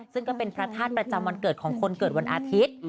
ซึ่งก็เป็นพระธาตุประจำวันเกิดของคนเกิดวันอาทิตย์